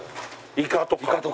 イカとか。